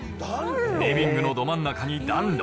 リビングのど真ん中に暖炉。